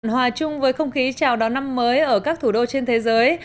hòa chung với không khí chào đón năm mới ở các thủ đô trên thế giới